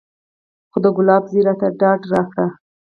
خو د ګلاب زوى راته ډاډ راکړ.